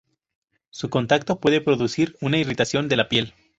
Su contacto puede producir una irritación de la piel.